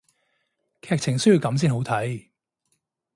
劇情需要噉先好睇